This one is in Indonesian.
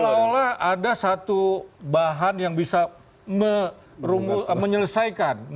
soalnya ada satu bahan yang bisa menyelesaikan